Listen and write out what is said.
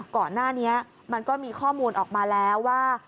ก่อนหน้านี้มันก็มีข้อมูลออกมาแล้วว่า